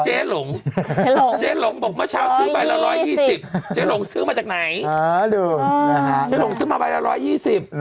เจ๊หลงซื้อมาใบละ๑๒๐ปี